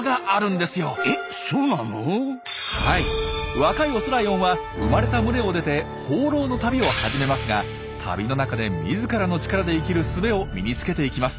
若いオスライオンは生まれた群れを出て放浪の旅を始めますが旅の中で自らの力で生きる術を身につけていきます。